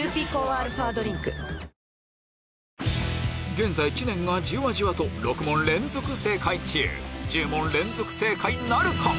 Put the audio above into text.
現在知念がじわじわと６問連続正解中１０問連続正解なるか？